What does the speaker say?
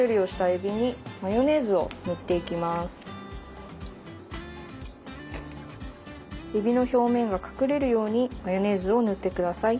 えびの表面が隠れるようにマヨネーズを塗って下さい。